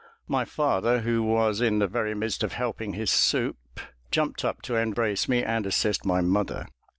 My father, who was in the very midst of helping his soup, jumped up to embrace me and assist my mother.